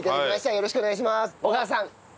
よろしくお願いします。